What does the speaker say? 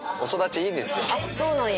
あっそうなんや。